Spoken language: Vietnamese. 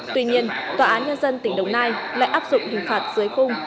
tuy nhiên tòa án nhân dân tỉnh đồng nai lại áp dụng hình phạt dưới khung